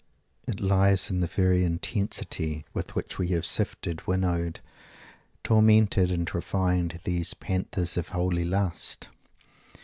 _ It lies in the very intensity with which we have sifted, winnowed, tormented and refined these panthers of holy lust.